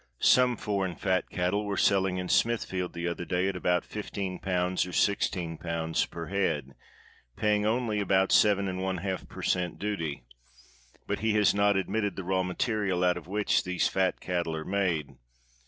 Some foreign fat cattle were selling in Smithfield the other day at about 151. or 161. per head, paying only about seven and one half per cent, duty; but he has not admitted the raw material out of which these fat cattle are made.